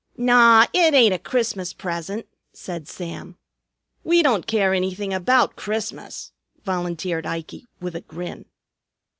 "Naw! It ain't a Christmas present," said Sam. "We don't care anything about Christmas," volunteered Ikey with a grin.